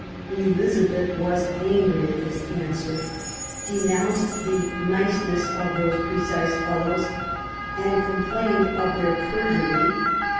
Elizabeth was angry at this answer, denounced the "niceness of those precise fellows/* and complained of their perjury.